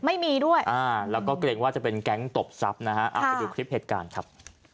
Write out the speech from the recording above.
ไม่มีด้วยอ่าแล้วก็เกรงว่าจะเป็นแก๊งตบทรัพย์นะฮะเอาไปดูคลิปเหตุการณ์ครับ